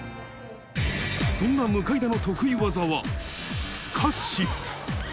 そんな向田の得意技は、すかし。